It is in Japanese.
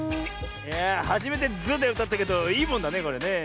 はじめて「ズ」でうたったけどいいもんだねこれねえ。